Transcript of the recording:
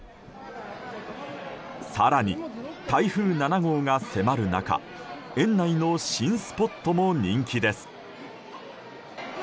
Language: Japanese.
更に、台風７号が迫る中園内の新スポットも人気です。